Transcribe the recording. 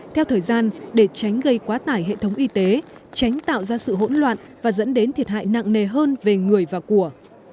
theo thời gian để tránh gây quá tải hệ thống y tế tránh tạo ra sự hỗn loạn và dẫn đến thiệt hại nặng nề hơn về người và của